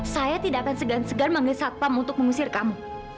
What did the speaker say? saya tidak akan segan segan manggil satpam untuk mengusir kamu